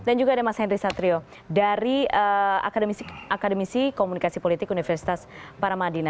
dan juga ada mas henry satrio dari akademisi komunikasi politik universitas paramadina